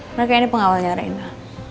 mereka ini pengawalnya rena